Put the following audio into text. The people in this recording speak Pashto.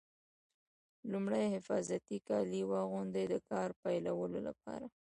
لومړی حفاظتي کالي واغوندئ د کار پیلولو لپاره.